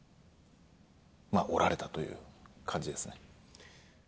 折られたという感じですね。